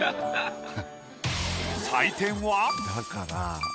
採点は。